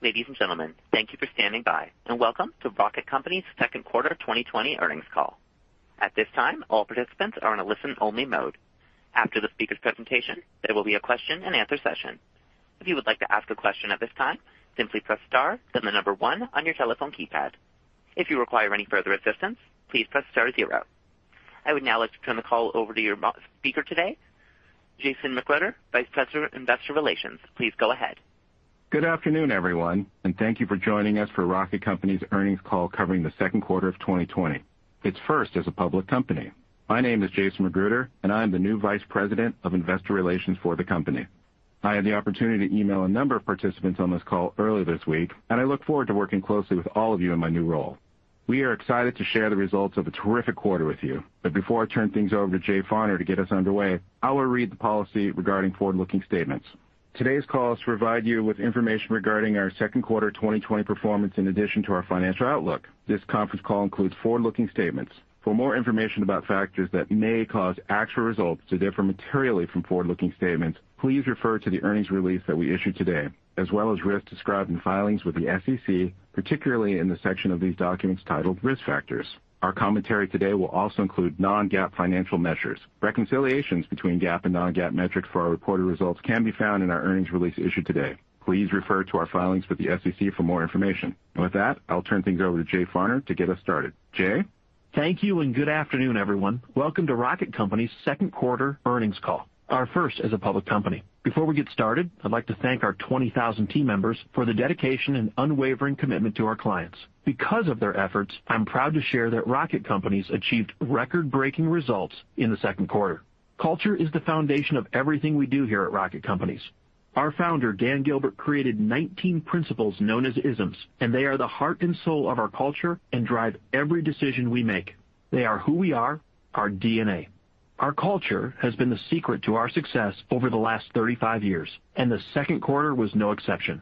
Ladies and gentlemen, thank you for standing by, and welcome to Rocket Companies' second quarter 2020 earnings call. At this time, all participants are on a listen only mode. After the speaker's presentation, there will be a question and answer session. If you would like to ask a question at this time, simply press star, then the number one on your telephone keypad. If you require any further assistance, please press star zero. I would now like to turn the call over to your speaker today, Jason McGruder, Vice President of Investor Relations. Please go ahead. Good afternoon, everyone, and thank you for joining us for Rocket Companies' earnings call covering the second quarter of 2020, its first as a public company. My name is Jason McGruder, and I am the new Vice President of Investor Relations for the company. I had the opportunity to email a number of participants on this call earlier this week, and I look forward to working closely with all of you in my new role. We are excited to share the results of a terrific quarter with you, but before I turn things over to Jay Farner to get us underway, I will read the policy regarding forward-looking statements. Today's call is to provide you with information regarding our second quarter 2020 performance in addition to our financial outlook. This conference call includes forward-looking statements. For more information about factors that may cause actual results to differ materially from forward-looking statements, please refer to the earnings release that we issued today, as well as risks described in filings with the SEC, particularly in the section of these documents titled Risk Factors. Our commentary today will also include non-GAAP financial measures. Reconciliations between GAAP and non-GAAP metrics for our reported results can be found in our earnings release issued today. Please refer to our filings with the SEC for more information. With that, I'll turn things over to Jay Farner to get us started. Jay? Thank you and good afternoon, everyone. Welcome to Rocket Companies' second quarter earnings call, our first as a public company. Before we get started, I'd like to thank our 20,000 team members for the dedication and unwavering commitment to our clients. Because of their efforts, I'm proud to share that Rocket Companies achieved record-breaking results in the second quarter. Culture is the foundation of everything we do here at Rocket Companies. Our Founder, Dan Gilbert, created 19 principles known as ISMs They are the heart and soul of our culture and drive every decision we make. They are who we are, our DNA. Our culture has been the secret to our success over the last 35 years. The second quarter was no exception.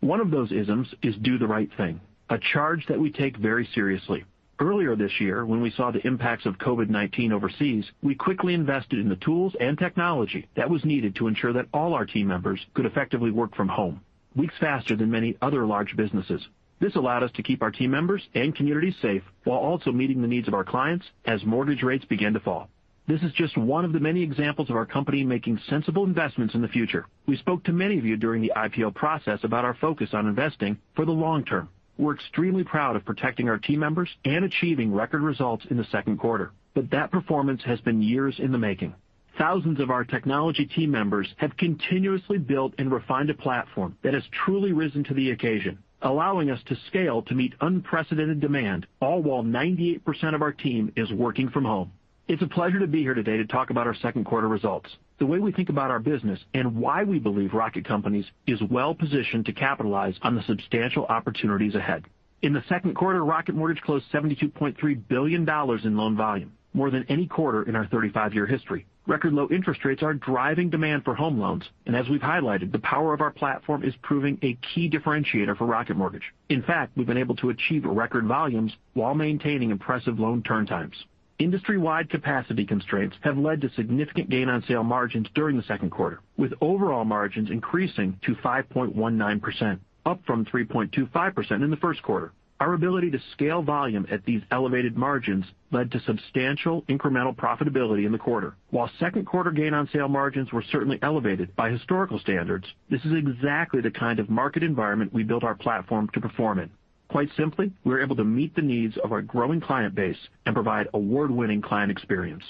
One of those ISMs is Do the Right Thing, a charge that we take very seriously. Earlier this year, when we saw the impacts of COVID-19 overseas, we quickly invested in the tools and technology that was needed to ensure that all our team members could effectively work from home, weeks faster than many other large businesses. This allowed us to keep our team members and communities safe while also meeting the needs of our clients as mortgage rates began to fall. This is just one of the many examples of our company making sensible investments in the future. We spoke to many of you during the IPO process about our focus on investing for the long term. We're extremely proud of protecting our team members and achieving record results in the second quarter. That performance has been years in the making. Thousands of our technology team members have continuously built and refined a platform that has truly risen to the occasion, allowing us to scale to meet unprecedented demand, all while 98% of our team is working from home. It's a pleasure to be here today to talk about our second quarter results, the way we think about our business, and why we believe Rocket Companies is well-positioned to capitalize on the substantial opportunities ahead. In the second quarter, Rocket Mortgage closed $72.3 billion in loan volume, more than any quarter in our 35-year history. Record low interest rates are driving demand for home loans, and as we've highlighted, the power of our platform is proving a key differentiator for Rocket Mortgage. In fact, we've been able to achieve record volumes while maintaining impressive loan turn times. Industry-wide capacity constraints have led to significant gain on sale margins during the second quarter, with overall margins increasing to 5.19%, up from 3.25% in the first quarter. Our ability to scale volume at these elevated margins led to substantial incremental profitability in the quarter. While second quarter gain on sale margins were certainly elevated by historical standards, this is exactly the kind of market environment we built our platform to perform in. Quite simply, we were able to meet the needs of our growing client base and provide award-winning client experience.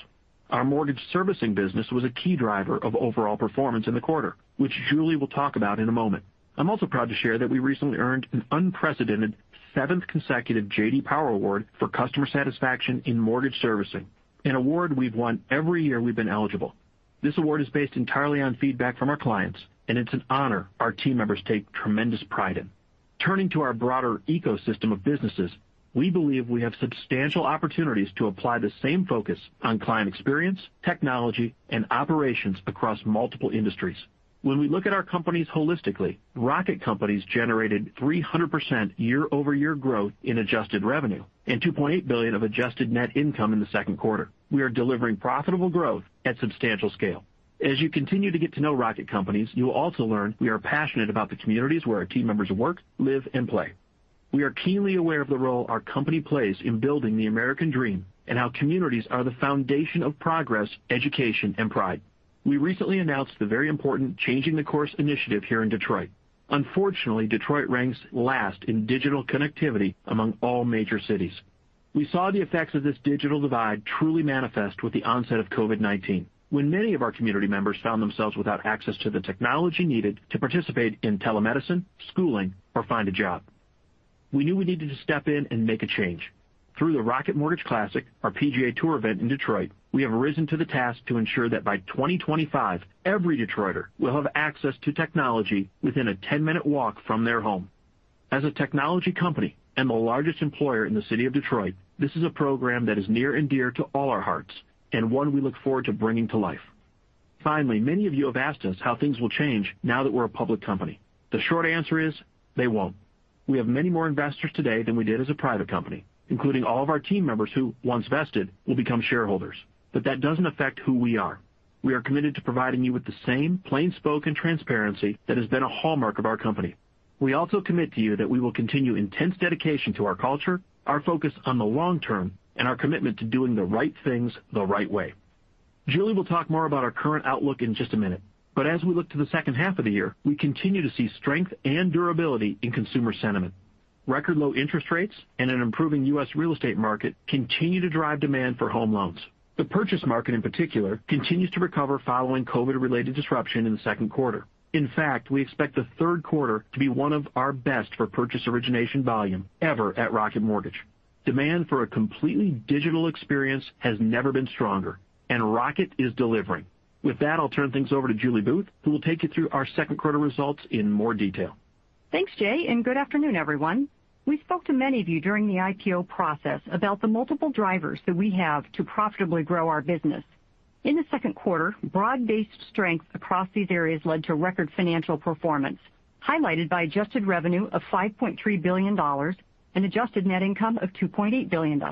Our mortgage servicing business was a key driver of overall performance in the quarter, which Julie will talk about in a moment. I'm also proud to share that we recently earned an unprecedented seventh consecutive J.D. Power Award for customer satisfaction in mortgage servicing, an award we've won every year we've been eligible. This award is based entirely on feedback from our clients, and it's an honor our team members take tremendous pride in. Turning to our broader ecosystem of businesses, we believe we have substantial opportunities to apply the same focus on client experience, technology, and operations across multiple industries. When we look at our companies holistically, Rocket Companies generated 300% year-over-year growth in adjusted revenue and $2.8 billion of adjusted net income in the second quarter. We are delivering profitable growth at substantial scale. As you continue to get to know Rocket Companies, you will also learn we are passionate about the communities where our team members work, live, and play. We are keenly aware of the role our company plays in building the American dream, and how communities are the foundation of progress, education, and pride. We recently announced the very important Changing the Course initiative here in Detroit. Unfortunately, Detroit ranks last in digital connectivity among all major cities. We saw the effects of this digital divide truly manifest with the onset of COVID-19, when many of our community members found themselves without access to the technology needed to participate in telemedicine, schooling, or find a job. We knew we needed to step in and make a change. Through the Rocket Mortgage Classic, our PGA Tour event in Detroit, we have risen to the task to ensure that by 2025, every Detroiter will have access to technology within a 10-minute walk from their home. As a technology company and the largest employer in the city of Detroit, this is a program that is near and dear to all our hearts, and one we look forward to bringing to life. Finally, many of you have asked us how things will change now that we're a public company. The short answer is, they won't. We have many more investors today than we did as a private company, including all of our team members who, once vested, will become shareholders. That doesn't affect who we are. We are committed to providing you with the same plainspoken transparency that has been a hallmark of our company. We also commit to you that we will continue intense dedication to our culture, our focus on the long term, and our commitment to doing the right things the right way. Julie will talk more about our current outlook in just a minute. As we look to the second half of the year, we continue to see strength and durability in consumer sentiment. Record low interest rates and an improving U.S. real estate market continue to drive demand for home loans. The purchase market, in particular, continues to recover following COVID-related disruption in the second quarter. In fact, we expect the third quarter to be one of our best for purchase origination volume ever at Rocket Mortgage. Demand for a completely digital experience has never been stronger, and Rocket is delivering. With that, I'll turn things over to Julie Booth, who will take you through our second quarter results in more detail. Thanks, Jay, and good afternoon, everyone. We spoke to many of you during the IPO process about the multiple drivers that we have to profitably grow our business. In the second quarter, broad-based strength across these areas led to record financial performance, highlighted by adjusted revenue of $5.3 billion and adjusted net income of $2.8 billion.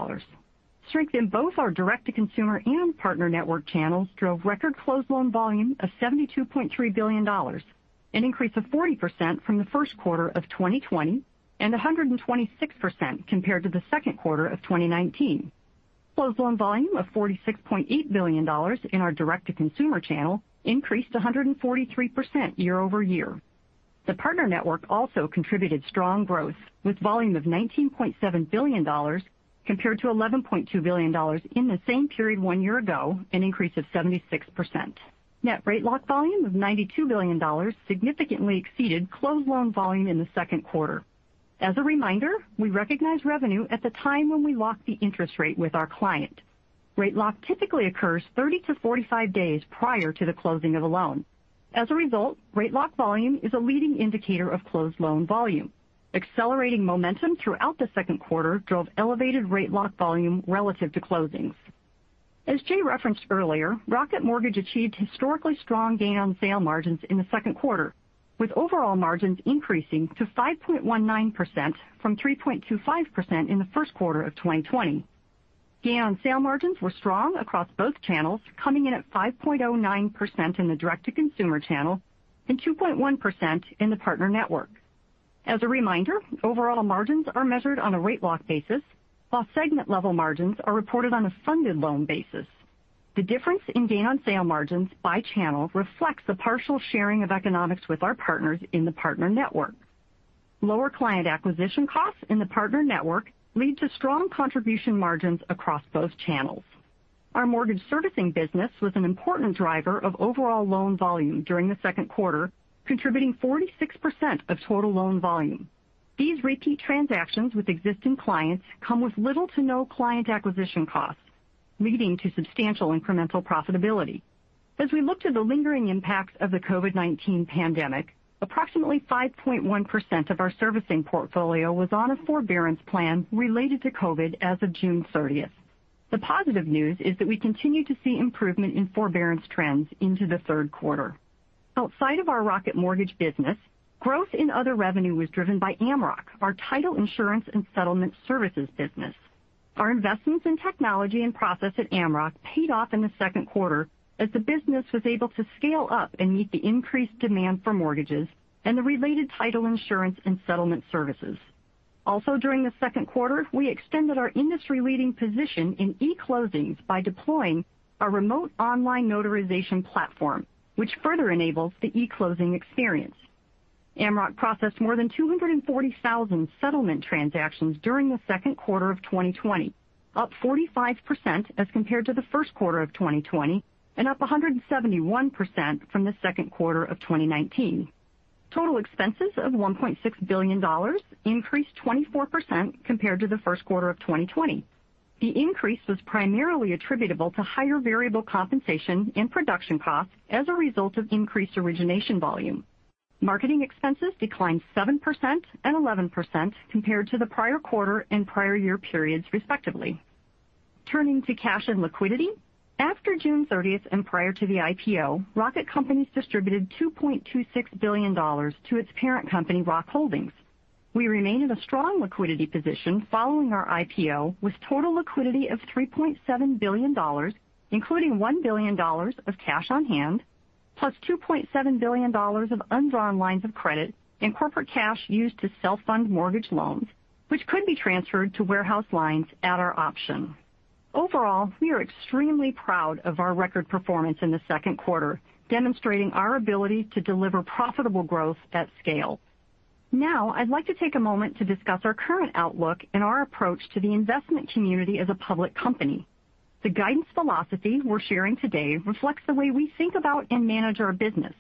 Strength in both our direct-to-consumer and partner network channels drove record closed loan volume of $72.3 billion, an increase of 40% from the first quarter of 2020 and 126% compared to the second quarter of 2019. Closed loan volume of $46.8 billion in our direct-to-consumer channel increased 143% year-over-year. The partner network also contributed strong growth, with volume of $19.7 billion compared to $11.2 billion in the same period one year ago, an increase of 76%. Net rate lock volume of $92 billion significantly exceeded closed loan volume in the second quarter. As a reminder, we recognize revenue at the time when we lock the interest rate with our client. Rate lock typically occurs 30-45 days prior to the closing of a loan. As a result, rate lock volume is a leading indicator of closed loan volume. Accelerating momentum throughout the second quarter drove elevated rate lock volume relative to closings. As Jay referenced earlier, Rocket Mortgage achieved historically strong gain on sale margins in the second quarter, with overall margins increasing to 5.19% from 3.25% in the first quarter of 2020. Gain on sale margins were strong across both channels, coming in at 5.09% in the direct-to-consumer channel and 2.1% in the partner network. As a reminder, overall margins are measured on a rate lock basis, while segment-level margins are reported on a funded loan basis. The difference in gain on sale margins by channel reflects the partial sharing of economics with our partners in the partner network. Lower client acquisition costs in the partner network lead to strong contribution margins across both channels. Our mortgage servicing business was an important driver of overall loan volume during the second quarter, contributing 46% of total loan volume. These repeat transactions with existing clients come with little to no client acquisition costs, leading to substantial incremental profitability. As we look to the lingering impacts of the COVID-19 pandemic, approximately 5.1% of our servicing portfolio was on a forbearance plan related to COVID as of June 30th. The positive news is that we continue to see improvement in forbearance trends into the third quarter. Outside of our Rocket Mortgage business, growth in other revenue was driven by Amrock, our title insurance and settlement services business. Our investments in technology and process at Amrock paid off in the second quarter as the business was able to scale up and meet the increased demand for mortgages and the related title insurance and settlement services. Also during the second quarter, we extended our industry-leading position in e-closings by deploying a remote online notarization platform, which further enables the e-closing experience. Amrock processed more than 240,000 settlement transactions during the second quarter of 2020, up 45% as compared to the first quarter of 2020 and up 171% from the second quarter of 2019. Total expenses of $1.6 billion increased 24% compared to the first quarter of 2020. The increase was primarily attributable to higher variable compensation and production costs as a result of increased origination volume. Marketing expenses declined 7% and 11% compared to the prior quarter and prior year periods, respectively. Turning to cash and liquidity. After June 30th and prior to the IPO, Rocket Companies distributed $2.26 billion to its parent company, Rock Holdings. We remain in a strong liquidity position following our IPO, with total liquidity of $3.7 billion, including $1 billion of cash on hand, plus $2.7 billion of undrawn lines of credit and corporate cash used to self-fund mortgage loans, which could be transferred to warehouse lines at our option. Overall, we are extremely proud of our record performance in the second quarter, demonstrating our ability to deliver profitable growth at scale. I'd like to take a moment to discuss our current outlook and our approach to the investment community as a public company. The guidance philosophy we're sharing today reflects the way we think about and manage our business.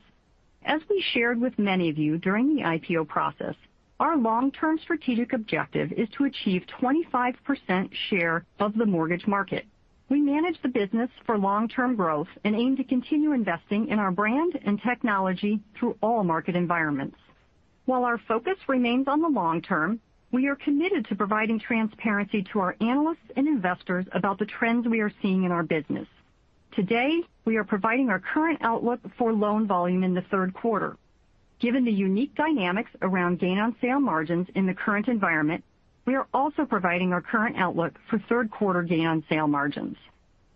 As we shared with many of you during the IPO process, our long-term strategic objective is to achieve 25% share of the mortgage market. We manage the business for long-term growth and aim to continue investing in our brand and technology through all market environments. While our focus remains on the long term, we are committed to providing transparency to our analysts and investors about the trends we are seeing in our business. Today, we are providing our current outlook for loan volume in the third quarter. Given the unique dynamics around gain on sale margins in the current environment, we are also providing our current outlook for third quarter gain on sale margins.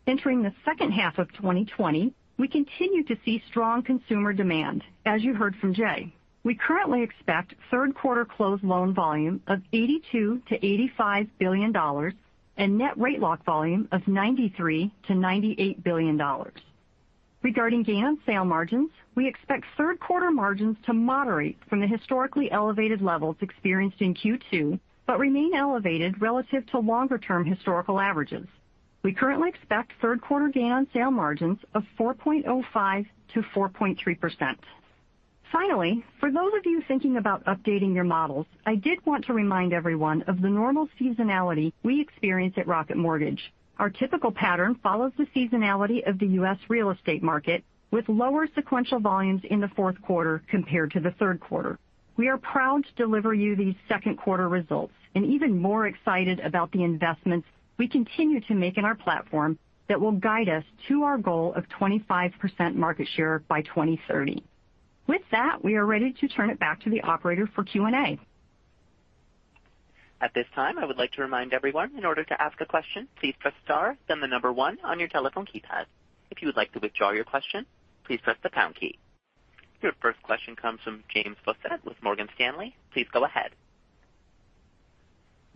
Entering the second half of 2020, we continue to see strong consumer demand, as you heard from Jay. We currently expect third quarter closed loan volume of $82 billion-$85 billion and net rate lock volume of $93 billion-$98 billion. Regarding gain on sale margins, we expect third quarter margins to moderate from the historically elevated levels experienced in Q2, but remain elevated relative to longer-term historical averages. We currently expect third quarter gain on sale margins of 4.05%-4.3%. Finally, for those of you thinking about updating your models, I did want to remind everyone of the normal seasonality we experience at Rocket Mortgage. Our typical pattern follows the seasonality of the U.S. real estate market, with lower sequential volumes in the fourth quarter compared to the third quarter. We are proud to deliver you these second quarter results, and even more excited about the investments we continue to make in our platform that will guide us to our goal of 25% market share by 2030. With that, we are ready to turn it back to the operator for Q&A. At this time, I would like to remind everyone, in order to ask a question, please press star then the number one on your telephone keypad. If you would like to withdraw your question, please press the pound key. Your first question comes from James Faucette with Morgan Stanley. Please go ahead.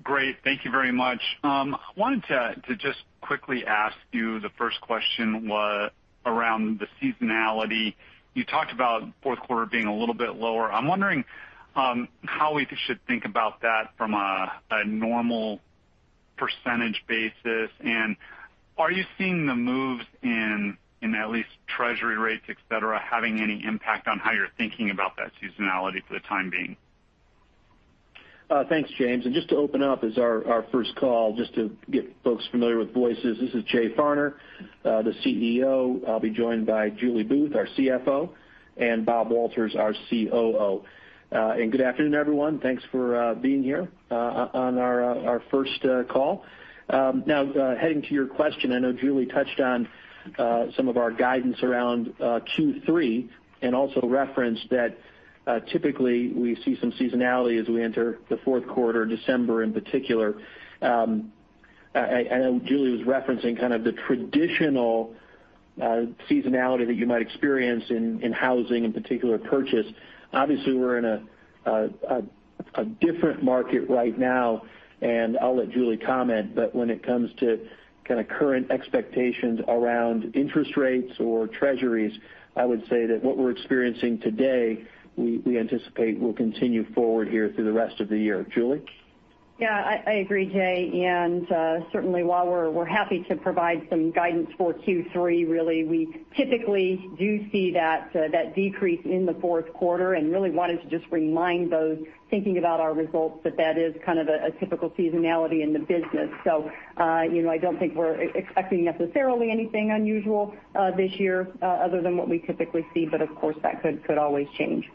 Great. Thank you very much. I wanted to just quickly ask you the first question was around the seasonality. You talked about fourth quarter being a little bit lower. I'm wondering how we should think about that from a normal percentage basis. Are you seeing the moves in at least Treasury rates, et cetera, having any impact on how you're thinking about that seasonality for the time being? Thanks, James. Just to open up as our first call, just to get folks familiar with voices, this is Jay Farner, the CEO. I'll be joined by Julie Booth, our CFO, and Bob Walters, our COO. Good afternoon, everyone. Thanks for being here on our first call. Now, heading to your question, I know Julie touched on some of our guidance around Q3, and also referenced that typically we see some seasonality as we enter the fourth quarter, December in particular. I know Julie was referencing kind of the traditional seasonality that you might experience in housing, in particular purchase. Obviously, we're in a different market right now, and I'll let Julie comment, but when it comes to kind of current expectations around interest rates or Treasuries, I would say that what we're experiencing today, we anticipate will continue forward here through the rest of the year. Julie? Yeah, I agree, Jay, and certainly while we're happy to provide some guidance for Q3, really we typically do see that decrease in the fourth quarter and really wanted to just remind those thinking about our results that that is kind of a typical seasonality in the business. I don't think we're expecting necessarily anything unusual this year other than what we typically see. Of course, that could always change.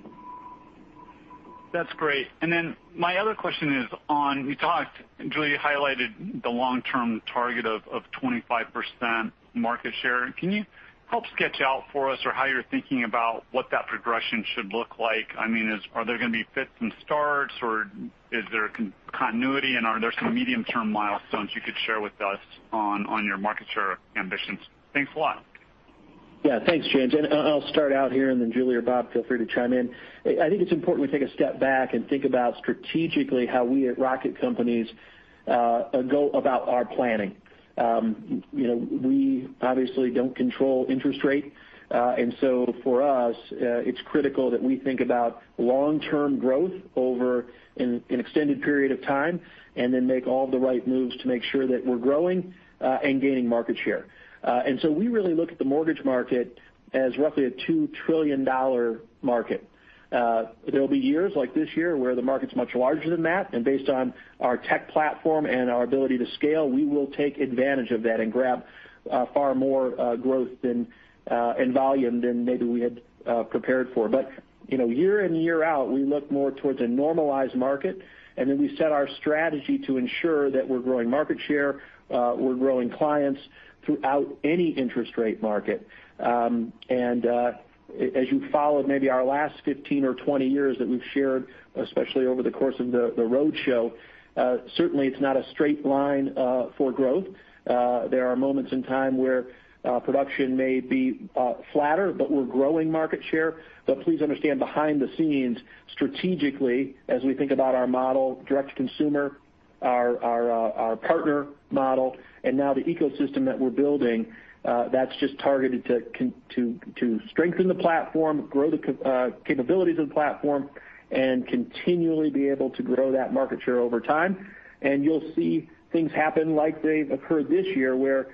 My other question is on, you talked, Julie highlighted the long-term target of 25% market share. Can you help sketch out for us or how you're thinking about what that progression should look like? Are there going to be fits and starts, or is there continuity, and are there some medium-term milestones you could share with us on your market share ambitions? Thanks a lot. Yeah. Thanks, James. I'll start out here, and then Julie or Bob, feel free to chime in. I think it's important we take a step back and think about strategically how we at Rocket Companies go about our planning. We obviously don't control interest rate, for us, it's critical that we think about long-term growth over an extended period of time, make all the right moves to make sure that we're growing and gaining market share. We really look at the mortgage market as roughly a $2 trillion market. There'll be years like this year where the market's much larger than that, based on our tech platform and our ability to scale, we will take advantage of that and grab far more growth and volume than maybe we had prepared for. Year in, year out, we look more towards a normalized market. We set our strategy to ensure that we're growing market share, we're growing clients throughout any interest rate market. As you followed maybe our last 15 or 20 years that we've shared, especially over the course of the roadshow, certainly it's not a straight line for growth. There are moments in time where production may be flatter, but we're growing market share. Please understand, behind the scenes, strategically, as we think about our model, direct-to-consumer, our partner model, and now the ecosystem that we're building, that's just targeted to strengthen the platform, grow the capabilities of the platform, and continually be able to grow that market share over time. You'll see things happen like they've occurred this year where,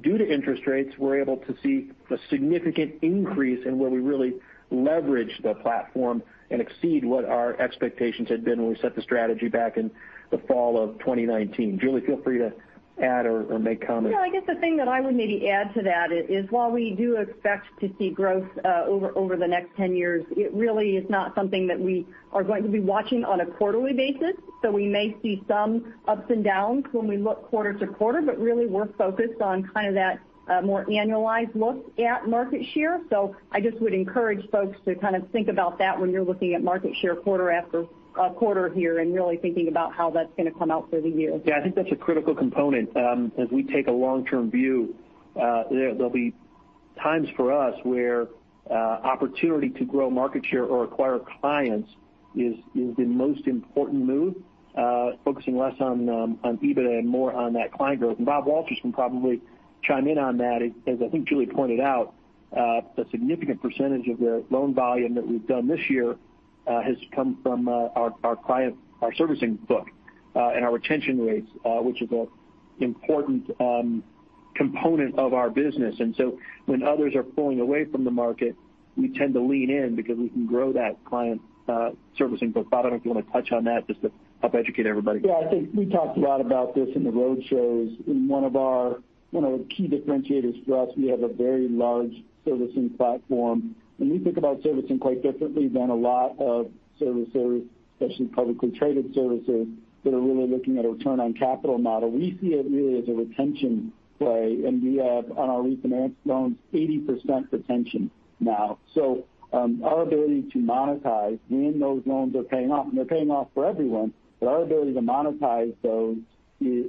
due to interest rates, we're able to see a significant increase in where we really leverage the platform and exceed what our expectations had been when we set the strategy back in the fall of 2019. Julie, feel free to add or make comments. I guess the thing that I would maybe add to that is while we do expect to see growth over the next 10 years, it really is not something that we are going to be watching on a quarterly basis. We may see some ups and downs when we look quarter to quarter, but really, we're focused on kind of that more annualized look at market share. I just would encourage folks to kind of think about that when you're looking at market share quarter after quarter here and really thinking about how that's going to come out for the year. Yeah, I think that's a critical component as we take a long-term view. There'll be times for us where opportunity to grow market share or acquire clients is the most important move, focusing less on EBITDA and more on that client growth. Bob Walters can probably chime in on that. As I think Julie pointed out, the significant percentage of the loan volume that we've done this year has come from our servicing book and our retention rates, which is an important component of our business. So when others are pulling away from the market, we tend to lean in because we can grow that client servicing book. Bob, I don't know if you want to touch on that just to help educate everybody. Yeah, I think we talked a lot about this in the roadshows. In one of our key differentiators for us, we have a very large servicing platform. We think about servicing quite differently than a lot of servicers, especially publicly traded servicers, that are really looking at a return on capital model. We see it really as a retention play, and we have on our refinance loans 80% retention now. Our ability to monetize when those loans are paying off, and they're paying off for everyone. Our ability to monetize those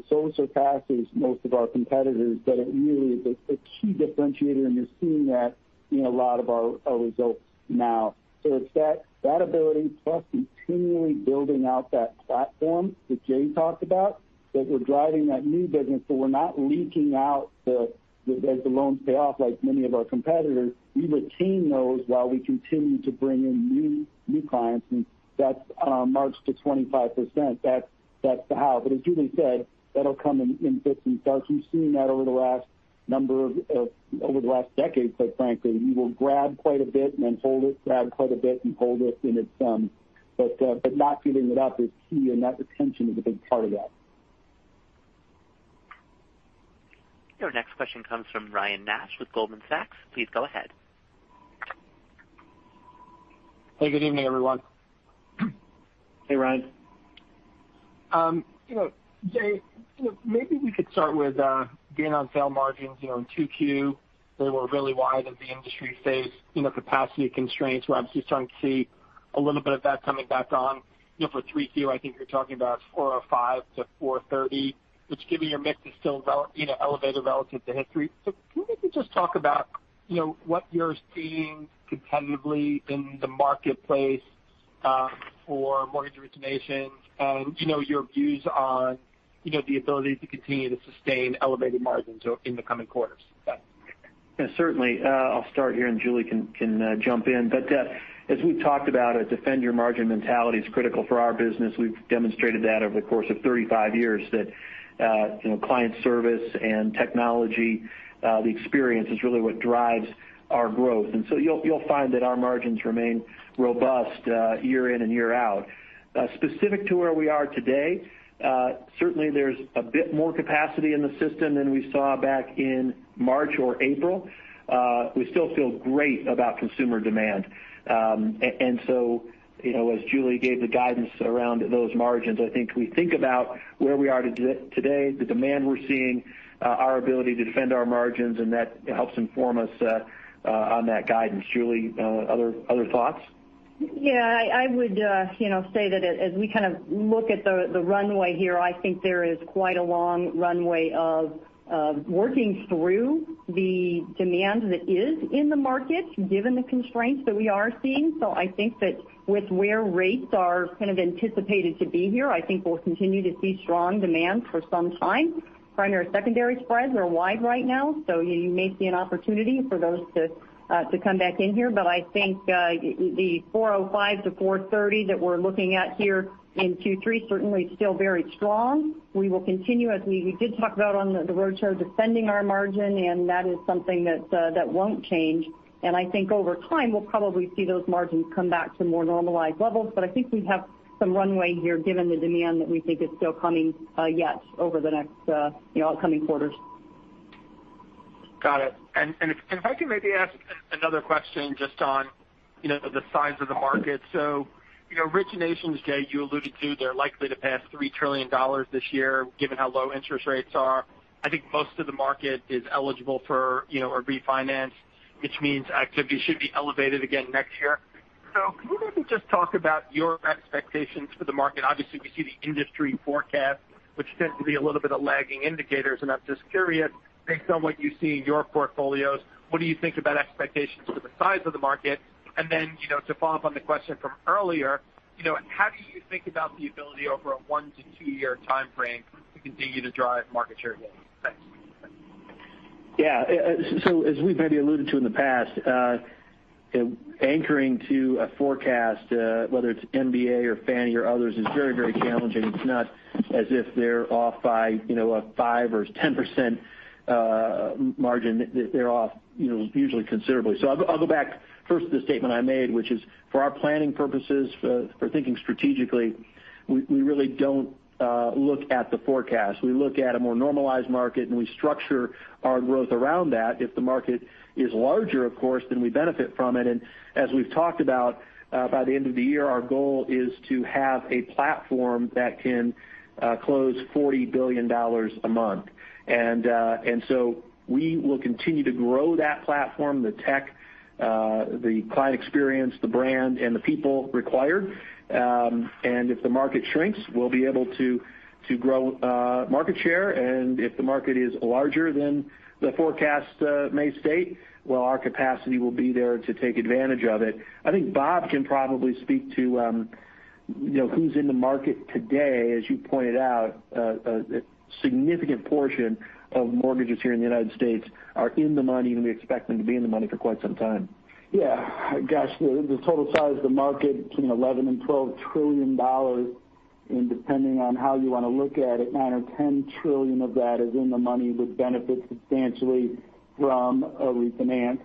so surpasses most of our competitors that it really is a key differentiator, and you're seeing that in a lot of our results now. It's that ability plus continually building out that platform that Jay talked about, that we're driving that new business. We're not leaking out as the loans pay off like many of our competitors. We retain those while we continue to bring in new clients, that's marched to 25%. That's the how. As Julie said, that'll come in fits and starts. We've seen that over the last decade, quite frankly. We will grab quite a bit and then hold it, grab quite a bit and hold it. Not giving it up is key, and that retention is a big part of that. Your next question comes from Ryan Nash with Goldman Sachs. Please go ahead. Hey, good evening, everyone. Hey, Ryan. Jay, maybe we could start with gain on sale margins. In 2Q, they were really wide as the industry faced capacity constraints. We're obviously starting to see a little bit of that coming back on. For 3Q, I think you're talking about 405-430, which given your mix is still elevated relative to history. So can you maybe just talk about what you're seeing competitively in the marketplace for mortgage originations and your views on the ability to continue to sustain elevated margins in the coming quarters? Yeah, certainly. I'll start here and Julie can jump in. As we've talked about, a defend your margin mentality is critical for our business. We've demonstrated that over the course of 35 years, that client service and technology, the experience is really what drives our growth. You'll find that our margins remain robust year in and year out. Specific to where we are today, certainly there's a bit more capacity in the system than we saw back in March or April. We still feel great about consumer demand. As Julie gave the guidance around those margins, I think we think about where we are today, the demand we're seeing, our ability to defend our margins, and that helps inform us on that guidance. Julie, other thoughts? Yeah. I would say that as we kind of look at the runway here, I think there is quite a long runway of working through the demand that is in the market, given the constraints that we are seeing. I think that with where rates are kind of anticipated to be here, I think we'll continue to see strong demand for some time. Primary or secondary spreads are wide right now. You may see an opportunity for those to come back in here. I think the 405-430 that we're looking at here in Q3, certainly still very strong. We will continue, as we did talk about on the roadshow, defending our margin, and that is something that won't change. I think over time, we'll probably see those margins come back to more normalized levels. I think we have some runway here given the demand that we think is still coming yet over the upcoming quarters. Got it. If I can maybe ask another question just on the size of the market. Originations, Jay, you alluded to, they're likely to pass $3 trillion this year, given how low interest rates are. I think most of the market is eligible for a refinance, which means activity should be elevated again next year. Can you maybe just talk about your expectations for the market? Obviously, we see the industry forecast, which tends to be a little bit of lagging indicators. I'm just curious, based on what you see in your portfolios, what do you think about expectations for the size of the market? Then to follow up on the question from earlier, how do you think about the ability over a one to two year time frame to continue to drive market share gains? Thanks. As we've maybe alluded to in the past, anchoring to a forecast, whether it's MBA or Fannie or others, is very challenging. It's not as if they're off by a 5% or 10% margin. They're off usually considerably. I'll go back first to the statement I made, which is for our planning purposes, for thinking strategically, we really don't look at the forecast. We look at a more normalized market, we structure our growth around that. If the market is larger, of course, we benefit from it. As we've talked about, by the end of the year, our goal is to have a platform that can close $40 billion a month. We will continue to grow that platform, the tech, the client experience, the brand, and the people required. If the market shrinks, we'll be able to grow market share. If the market is larger than the forecast may state, well, our capacity will be there to take advantage of it. I think Bob can probably speak to who's in the market today, as you pointed out, a significant portion of mortgages here in the United States are in the money, and we expect them to be in the money for quite some time. Yeah. Gosh, the total size of the market, between $11 trillion and $12 trillion, depending on how you want to look at it, $9 trillion or $10 trillion of that is in the money would benefit substantially from a refinance.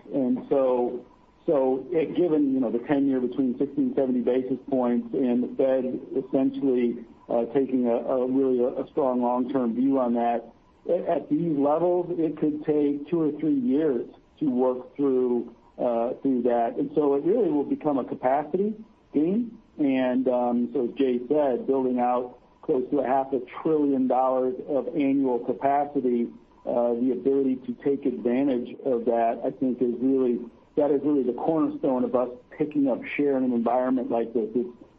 Given the 10-year between 60 and 70 basis points and the Fed essentially taking a really strong long-term view on that, at these levels, it could take two or three years to work through that. It really will become a capacity game. As Jay said, building out close to a half a trillion dollars of annual capacity, the ability to take advantage of that, I think that is really the cornerstone of us picking up share in an environment like this.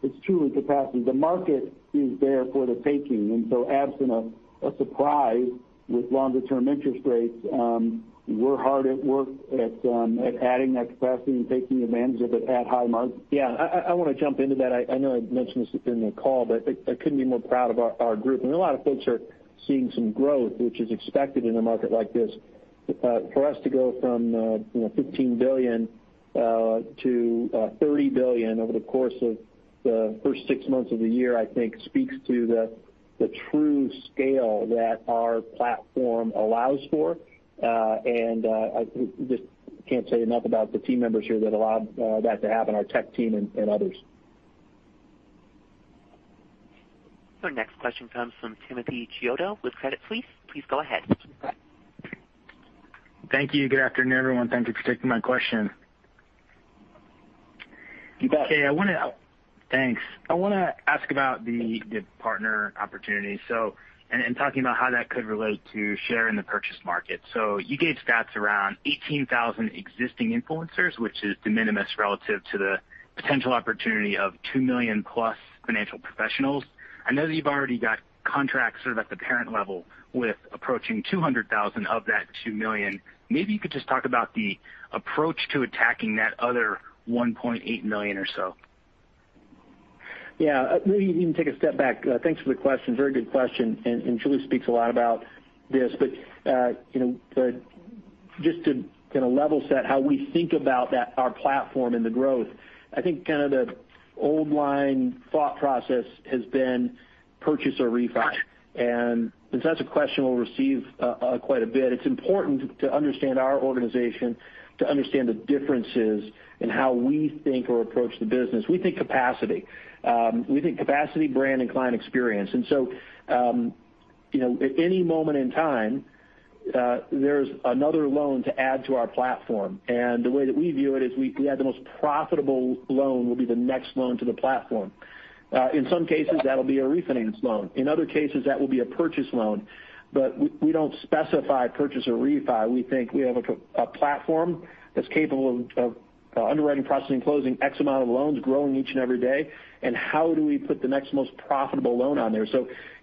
It's truly capacity. The market is there for the taking. Absent of a surprise with longer-term interest rates, we're hard at work at adding that capacity and taking advantage of it at high margins. Yeah. I want to jump into that. I know I mentioned this in the call, I couldn't be more proud of our group. A lot of folks are seeing some growth, which is expected in a market like this. For us to go from $15 billion-$30 billion over the course of the first six months of the year, I think speaks to the true scale that our platform allows for. I just can't say enough about the team members here that allowed that to happen, our tech team and others. Our next question comes from Timothy Chiodo with Credit Suisse. Please go ahead. Thank you. Good afternoon, everyone. Thank you for taking my question. You bet. Okay. Thanks. I want to ask about the partner opportunity. Talking about how that could relate to share in the purchase market. You gave stats around 18,000 existing influencers, which is de minimis relative to the potential opportunity of 2 million plus financial professionals. I know that you've already got contracts sort of at the parent level with approaching 200,000 of that 2 million. Maybe you could just talk about the approach to attacking that other 1.8 million or so. Yeah. Maybe even take a step back. Thanks for the question. Very good question. Julie speaks a lot about this. Just to kind of level set how we think about our platform and the growth, I think kind of the old line thought process has been purchase or refi. Since that's a question we'll receive quite a bit, it's important to understand our organization, to understand the differences in how we think or approach the business. We think capacity. We think capacity, brand, and client experience. At any moment in time, there's another loan to add to our platform. The way that we view it is we add the most profitable loan will be the next loan to the platform. In some cases, that'll be a refinance loan. In other cases, that will be a purchase loan. We don't specify purchase or refi. We think we have a platform that's capable of underwriting, processing, closing X amount of loans growing each and every day. How do we put the next most profitable loan on there?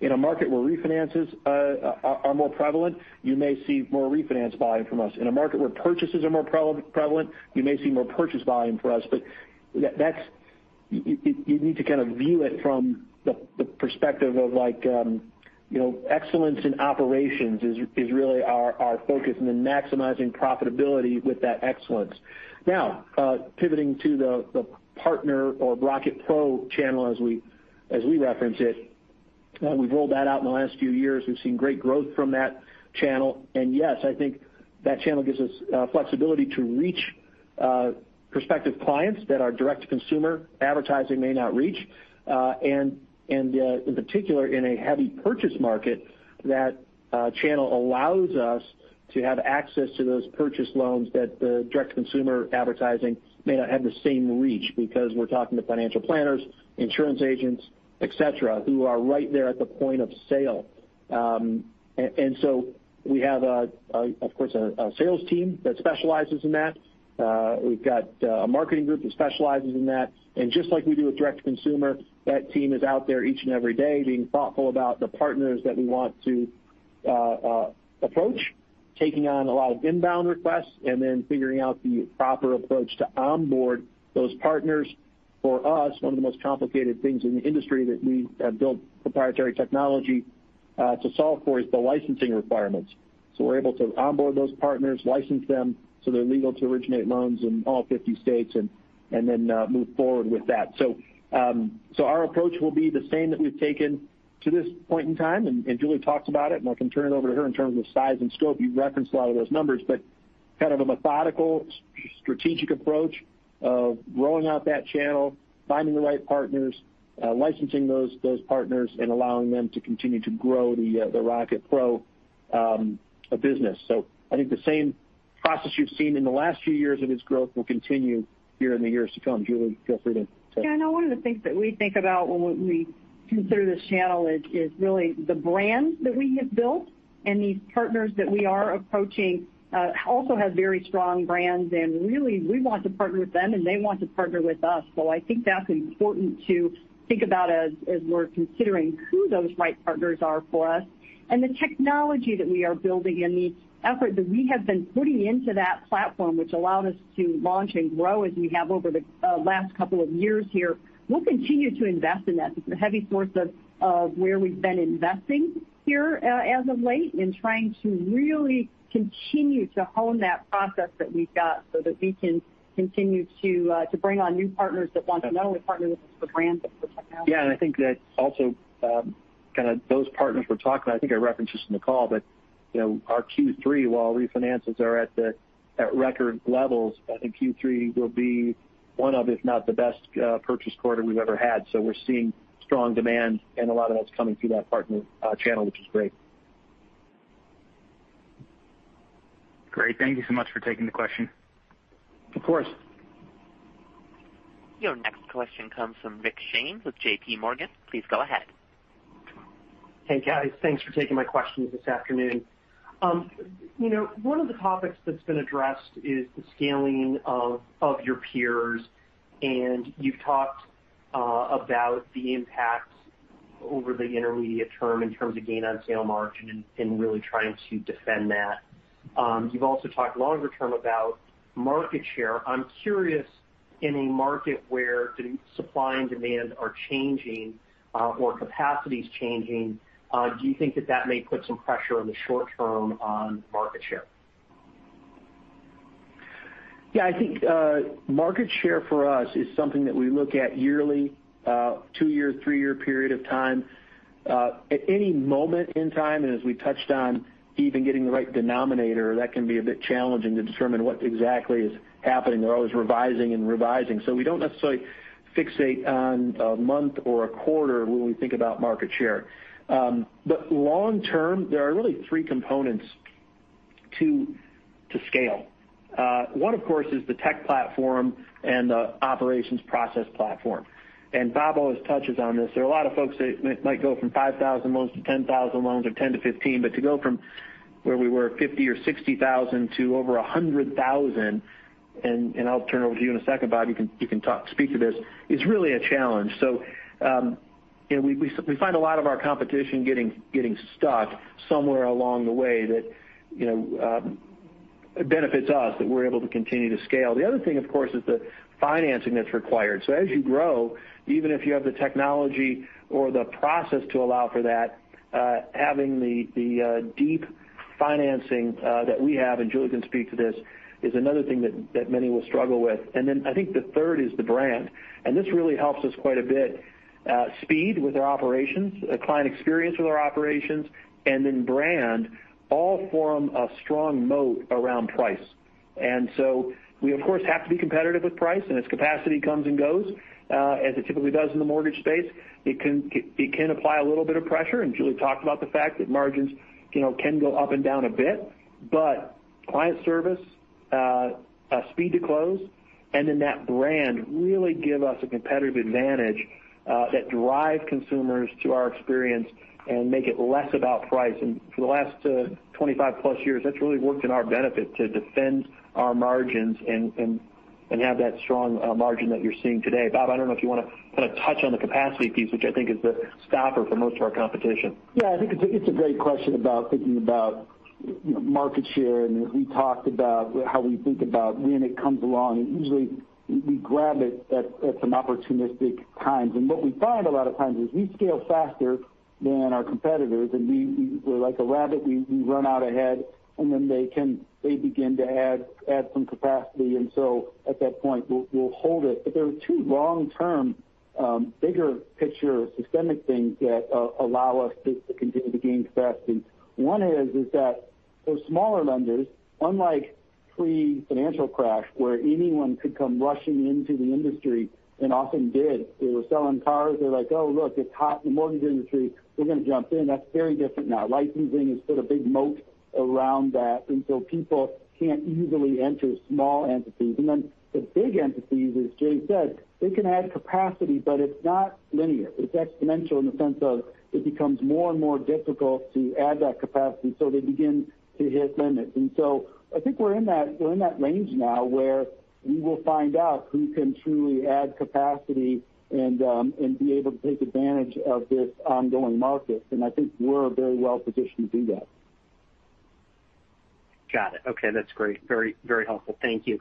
In a market where refinances are more prevalent, you may see more refinance volume from us. In a market where purchases are more prevalent, you may see more purchase volume for us. You need to kind of view it from the perspective of excellence in operations is really our focus, and then maximizing profitability with that excellence. Now, pivoting to the partner or Rocket Pro channel as we reference it, we've rolled that out in the last few years. We've seen great growth from that channel. Yes, I think that channel gives us flexibility to reach prospective clients that our direct-to-consumer advertising may not reach. In particular, in a heavy purchase market, that channel allows us to have access to those purchase loans that the direct consumer advertising may not have the same reach because we're talking to financial planners, insurance agents, et cetera, who are right there at the point of sale. We have, of course, a sales team that specializes in that. We've got a marketing group that specializes in that. Just like we do with direct consumer, that team is out there each and every day being thoughtful about the partners that we want to approach, taking on a lot of inbound requests, and then figuring out the proper approach to onboard those partners. For us, one of the most complicated things in the industry that we have built proprietary technology to solve for is the licensing requirements. We're able to onboard those partners, license them so they're legal to originate loans in all 50 states, and then move forward with that. Our approach will be the same that we've taken to this point in time, and Julie talked about it, and I can turn it over to her in terms of size and scope. You've referenced a lot of those numbers, but kind of a methodical, strategic approach of rolling out that channel, finding the right partners, licensing those partners, and allowing them to continue to grow the Rocket Pro business. I think the same process you've seen in the last few years of its growth will continue here in the years to come. Julie, feel free to take it. Yeah, I know one of the things that we think about when we consider this channel is really the brand that we have built, and these partners that we are approaching also have very strong brands, and really, we want to partner with them, and they want to partner with us. I think that's important to think about as we're considering who those right partners are for us. The technology that we are building and the effort that we have been putting into that platform, which allowed us to launch and grow as we have over the last couple of years here, we'll continue to invest in that. It's a heavy source of where we've been investing here as of late in trying to really continue to hone that process that we've got so that we can continue to bring on new partners that want to know and partner with us for brands and for technology. Yeah. I think that also kind of those partners we're talking about. I think I referenced this in the call. Our Q3, while refinances are at record levels, I think Q3 will be one of, if not the best purchase quarter we've ever had. We're seeing strong demand, and a lot of that's coming through that partner channel, which is great. Great. Thank you so much for taking the question. Of course. Your next question comes from Richard Shane with JPMorgan. Please go ahead. Hey, guys. Thanks for taking my questions this afternoon. One of the topics that's been addressed is the scaling of your peers, and you've talked about the impact over the intermediate term in terms of gain on sale margin and really trying to defend that. You've also talked longer term about market share. I'm curious, in a market where the supply and demand are changing or capacity is changing, do you think that that may put some pressure in the short term on market share? I think market share for us is something that we look at yearly, two-year, three-year period of time. At any moment in time, and as we touched on even getting the right denominator, that can be a bit challenging to determine what exactly is happening. They're always revising and revising. We don't necessarily fixate on a month or a quarter when we think about market share. Long term, there are really three components to scale. One, of course, is the tech platform and the operations process platform. Bob always touches on this. There are a lot of folks that might go from 5,000 loans to 10,000 loans or 10-15, but to go from where we were at 50,000 or 60,000 to over 100,000, and I'll turn it over to you in a second, Bob, you can speak to this, is really a challenge. We find a lot of our competition getting stuck somewhere along the way that benefits us, that we're able to continue to scale. The other thing, of course, is the financing that's required. As you grow, even if you have the technology or the process to allow for that, having the deep financing that we have, and Julie can speak to this, is another thing that many will struggle with. I think the third is the brand, and this really helps us quite a bit. Speed with our operations, client experience with our operations, and then brand all form a strong moat around price. We, of course, have to be competitive with price, and its capacity comes and goes. As it typically does in the mortgage space, it can apply a little bit of pressure. Julie talked about the fact that margins can go up and down a bit. Client service, speed to close, that brand really give us a competitive advantage that drive consumers to our experience and make it less about price. For the last 25 plus years, that's really worked in our benefit to defend our margins and have that strong margin that you're seeing today. Bob, I don't know if you want to kind of touch on the capacity piece, which I think is the stopper for most of our competition. Yeah, I think it's a great question about thinking about market share, and we talked about how we think about when it comes along. Usually, we grab it at some opportunistic times. What we find a lot of times is we scale faster than our competitors, and we're like a rabbit. We run out ahead, and then they begin to add some capacity. At that point, we'll hold it. There are two long-term, bigger picture systemic things that allow us to continue to gain capacity. One is that those smaller lenders, unlike pre-financial crash, where anyone could come rushing into the industry and often did. They were selling cars. They're like, "Oh, look, it's hot in the mortgage industry. We're going to jump in." That's very different now. Licensing has put a big moat around that, and so people can't easily enter small entities. The big entities, as Jay said, they can add capacity, but it's not linear. It's exponential in the sense of it becomes more and more difficult to add that capacity, so they begin to hit limits. I think we're in that range now where we will find out who can truly add capacity and be able to take advantage of this ongoing market. I think we're very well positioned to do that. Got it. Okay, that's great. Very helpful. Thank you.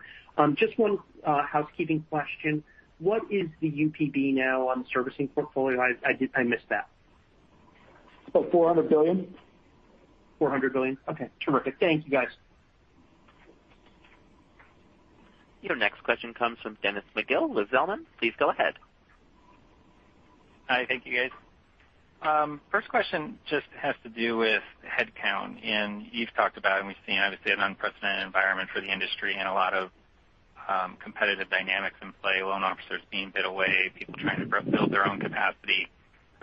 Just one housekeeping question. What is the UPB now on servicing portfolio? I missed that. About $400 billion. $400 billion? Okay, terrific. Thank you, guys. Your next question comes from Dennis McGill with Zelman. Please go ahead. Hi, thank you, guys. First question just has to do with headcount. You've talked about, and we've seen, obviously, an unprecedented environment for the industry and a lot of competitive dynamics in play, loan officers being bid away, people trying to build their own capacity.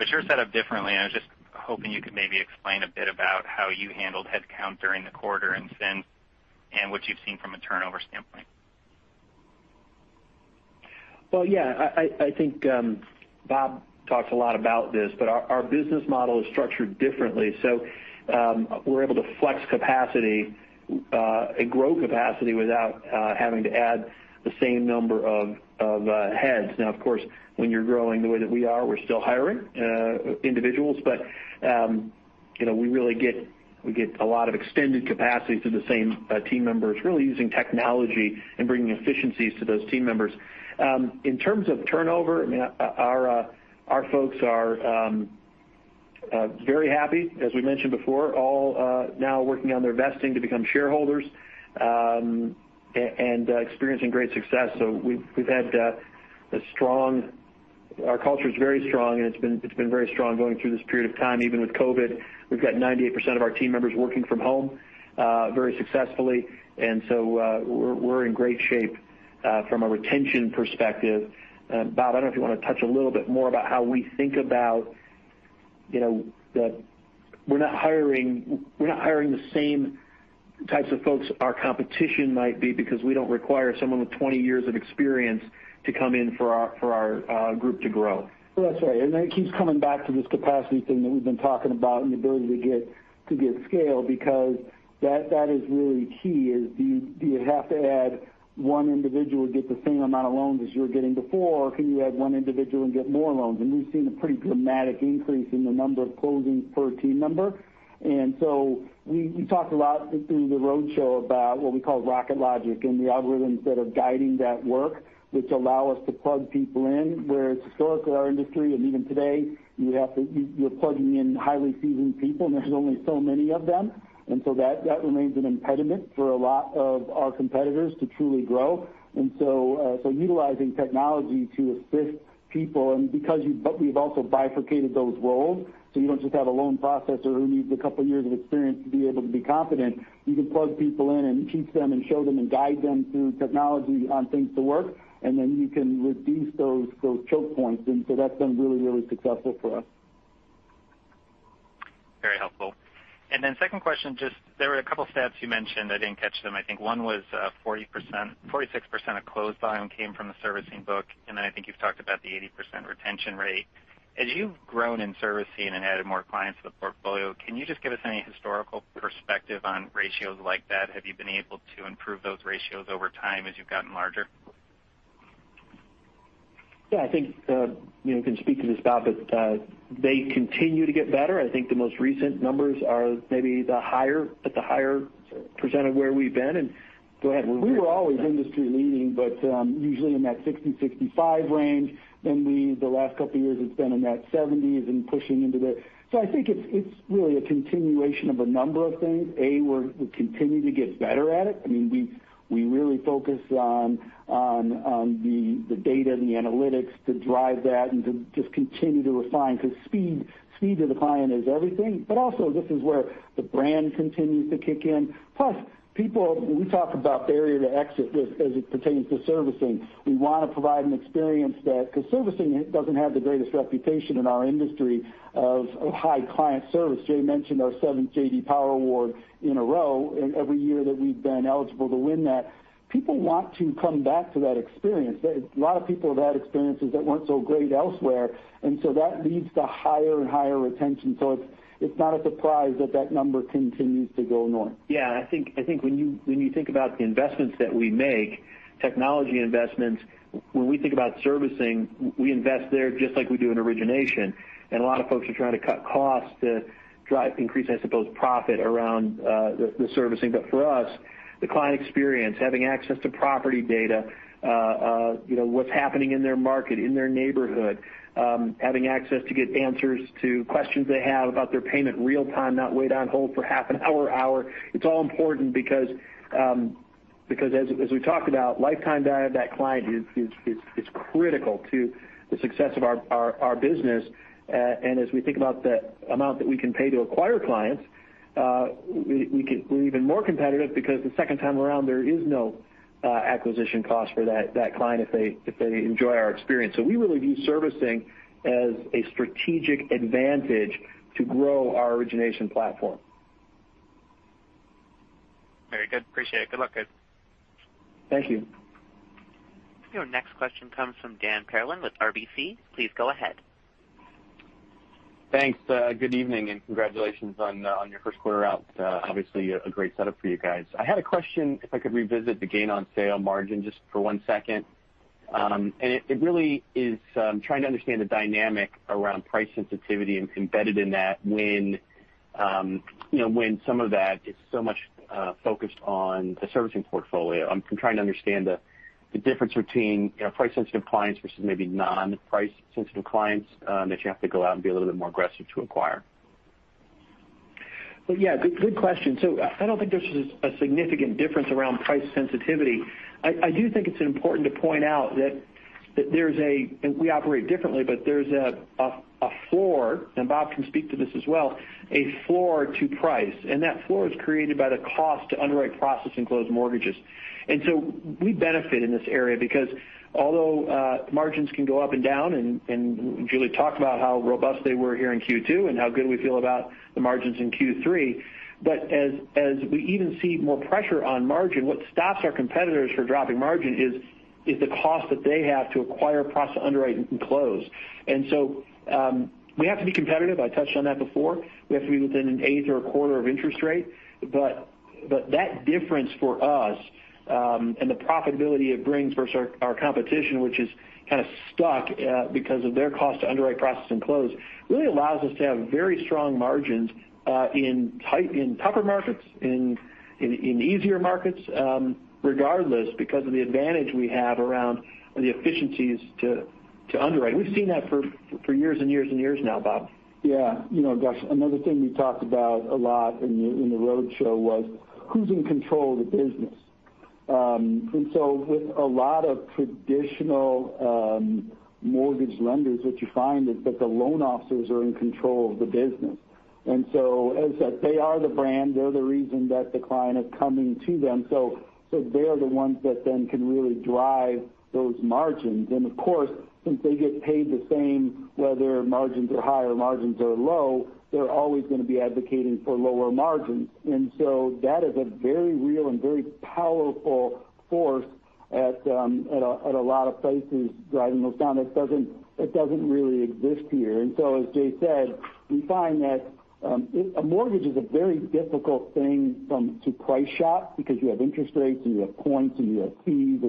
You're set up differently. I was just hoping you could maybe explain a bit about how you handled headcount during the quarter and since, and what you've seen from a turnover standpoint. Well, yeah. I think Bob talked a lot about this. Our business model is structured differently. We're able to flex capacity and grow capacity without having to add the same number of heads. Now, of course, when you're growing the way that we are, we're still hiring individuals, but we get a lot of extended capacity through the same team members, really using technology and bringing efficiencies to those team members. In terms of turnover, our folks are very happy. As we mentioned before, all now working on their vesting to become shareholders and experiencing great success. We've had a strong. Our culture is very strong, and it's been very strong going through this period of time. Even with COVID, we've got 98% of our team members working from home very successfully. We're in great shape from a retention perspective. Bob, I don't know if you want to touch a little bit more about how we think about we're not hiring the same types of folks our competition might be because we don't require someone with 20 years of experience to come in for our group to grow. Well, that's right. It keeps coming back to this capacity thing that we've been talking about and the ability to get scale, because that is really key, is do you have to add one individual to get the same amount of loans as you were getting before? Can you add one individual and get more loans? We've seen a pretty dramatic increase in the number of closings per team member. We talked a lot through the roadshow about what we call Rocket Logic, and the algorithms that are guiding that work, which allow us to plug people in. Where historically our industry, and even today, you're plugging in highly seasoned people, and there's only so many of them. That remains an impediment for a lot of our competitors to truly grow. Utilizing technology to assist people. Because we've also bifurcated those roles, so you don't just have a loan processor who needs a couple years of experience to be able to be competent. You can plug people in and teach them and show them and guide them through technology on things to work, and then you can reduce those choke points. That's been really successful for us. Very helpful. Second question, just there were a couple stats you mentioned. I didn't catch them. I think one was 46% of closed volume came from the servicing book, and then I think you've talked about the 80% retention rate. As you've grown in servicing and added more clients to the portfolio, can you just give us any historical perspective on ratios like that? Have you been able to improve those ratios over time as you've gotten larger? Yeah, I think, you can speak to this, Bob. They continue to get better. I think the most recent numbers are maybe at the higher percent of where we've been. Go ahead. We were always industry leading, but usually in that 60-65 range. The last couple of years, it's been in that 70s. I think it's really a continuation of a number of things. A, we continue to get better at it. We really focus on the data and the analytics to drive that and to just continue to refine, because speed to the client is everything. Also, this is where the brand continues to kick in. People, we talk about barrier to exit as it pertains to servicing. We want to provide an experience because servicing doesn't have the greatest reputation in our industry of high client service. Jay mentioned our seventh J.D. Power Award in a row, and every year that we've been eligible to win that. People want to come back to that experience. A lot of people have had experiences that weren't so great elsewhere, and so that leads to higher and higher retention. It's not a surprise that that number continues to go north. Yeah. I think when you think about the investments that we make, technology investments, when we think about servicing, we invest there just like we do in origination. A lot of folks are trying to cut costs to drive increase, I suppose, profit around the servicing. For us, the client experience, having access to property data, what's happening in their market, in their neighborhood, having access to get answers to questions they have about their payment real time, not wait on hold for half an hour or hour. It's all important because as we've talked about, lifetime value of that client is critical to the success of our business. As we think about the amount that we can pay to acquire clients, we're even more competitive because the second time around, there is no acquisition cost for that client if they enjoy our experience. We really view servicing as a strategic advantage to grow our origination platform. Very good. Appreciate it. Good luck, guys. Thank you. Your next question comes from Dan Perlin with RBC. Please go ahead. Thanks. Good evening, congratulations on your first quarter out. Obviously, a great setup for you guys. I had a question, if I could revisit the gain on sale margin just for one second. It really is trying to understand the dynamic around price sensitivity and embedded in that when some of that is so much focused on the servicing portfolio. I'm trying to understand the difference between price-sensitive clients versus maybe non-price-sensitive clients that you have to go out and be a little bit more aggressive to acquire. Well, yeah. Good question. I don't think there's a significant difference around price sensitivity. I do think it's important to point out that there's a floor, and Bob can speak to this as well, a floor to price. That floor is created by the cost to underwrite, process, and close mortgages. We benefit in this area because although margins can go up and down, and Julie talked about how robust they were here in Q2 and how good we feel about the margins in Q3. As we even see more pressure on margin, what stops our competitors from dropping margin is the cost that they have to acquire, process, underwrite, and close. We have to be competitive. I touched on that before. We have to be within an eighth or a quarter of interest rate. That difference for us, and the profitability it brings versus our competition, which is kind of stuck because of their cost to underwrite, process, and close, really allows us to have very strong margins in tougher markets, in easier markets, regardless because of the advantage we have around the efficiencies to underwrite. We've seen that for years and years and years now, Bob. Yeah. Gus, another thing we talked about a lot in the roadshow was who's in control of the business? With a lot of traditional mortgage lenders, what you find is that the loan officers are in control of the business. As I said, they are the brand, they're the reason that the client is coming to them. They are the ones that then can really drive those margins. Of course, since they get paid the same, whether margins are high or margins are low, they're always going to be advocating for lower margins. That is a very real and very powerful force at a lot of places driving those down. That doesn't really exist here. As Jay said, we find that a mortgage is a very difficult thing to price shop because you have interest rates, and you have points, and you have fees.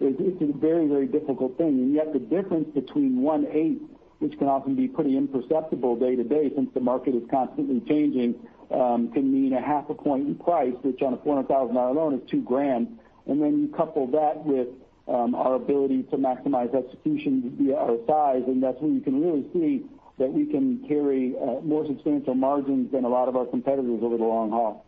It's a very difficult thing. Yet the difference between one-eighth, which can often be pretty imperceptible day to day, since the market is constantly changing, can mean a half a point in price, which on a $400,000 loan is two grand. Then you couple that with our ability to maximize execution via our size, and that's when you can really see that we can carry more substantial margins than a lot of our competitors over the long haul.